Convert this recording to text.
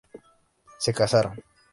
Se casaron.